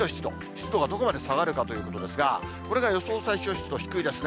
湿度がどこまで下がるかということですが、これが予想最小湿度低いですね。